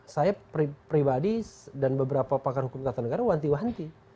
saya pribadi dan beberapa pakar hukum tata negara wanti wanti